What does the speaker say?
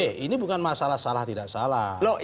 eh ini bukan masalah salah tidak salah